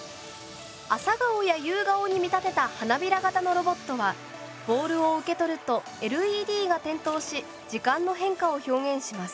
アサガオやユウガオに見立てた花びら型のロボットはボールを受け取るとＬＥＤが点灯し時間の変化を表現します。